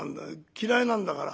嫌いなんだから。